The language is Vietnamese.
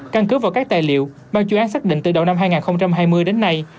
căn cứ vào các tài liệu ban chuyên án xác định từ đầu năm hai nghìn hai mươi đến nay